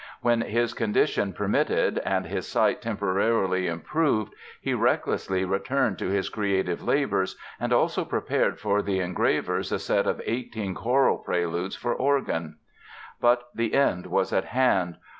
When his condition permitted and his sight temporarily improved he recklessly returned to his creative labors and also prepared for the engravers a set of eighteen choral preludes for organ. But the end was at hand.